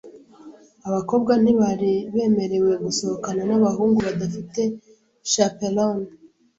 Abakobwa ntibari bemerewe gusohokana nabahungu badafite chaperone.